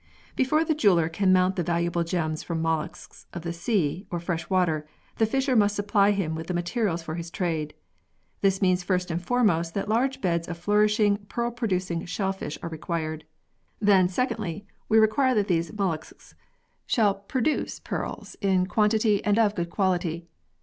Before the jeweller can mount the valuable gems from molluscs of the sea or fresh water, the fisher must supply him with the materials for his trade. This means first and foremost that large beds of flourishing pearl producing shellfish are required. Then, secondly, we require that these molluscs shall x] PEARLS AND SCIENCE 125 produce pearls in quantity and of good quality.